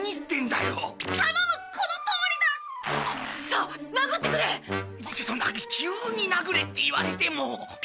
そんな急に殴れって言われても。